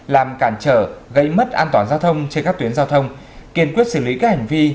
làm cản trở gây mất an toàn giao thông trên các tuyến giao thông kiên quyết xử lý các hành vi